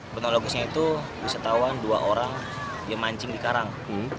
kronologisnya itu wisatawan dua orang yang mancing di karang